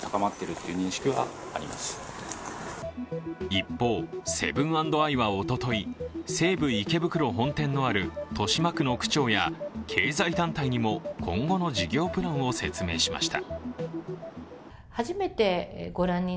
一方、セブン＆アイはおととい西武池袋本店のある豊島区の区長や経済団体にも、今後の事業プランを説明しました。